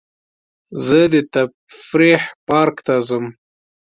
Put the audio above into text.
زه د تفریح پارک ته ځم.